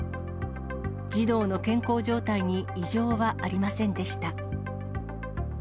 児童の健康状態に異常はありませんでした。